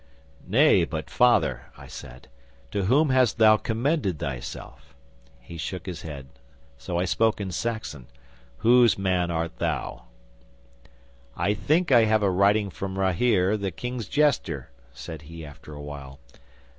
'"Nay, but, Father," I said, "to whom hast thou commended thyself ?" He shook his head, so I spoke in Saxon: "Whose man art thou?" '"I think I have a writing from Rahere, the King's jester," said he after a while.